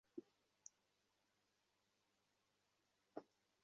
তিনি বুলগেরিয়ার স্থানীয় রাজনীতির সাথেও সম্পৃক্ত ছিলেন।